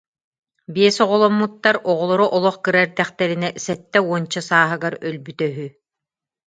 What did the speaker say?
Биэс оҕоломмуттар, оҕолоро олох кыра эрдэхтэринэ, сэттэ уонча сааһыгар өлбүтэ үһү